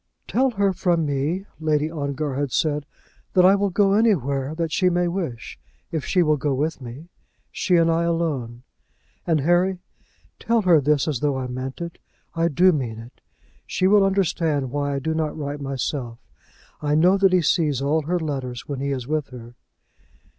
"Tell her from me," Lady Ongar had said, "that I will go anywhere that she may wish if she will go with me, she and I alone; and, Harry, tell her this as though I meant it. I do mean it. She will understand why I do not write myself. I know that he sees all her letters when he is with her."